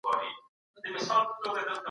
حقایق باید له تعصب پرته وپلټل سي.